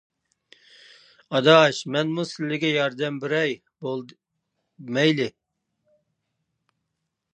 -ئاداش مەنمۇ سىلىگە ياردەم بېرەي؟ -مەيلى.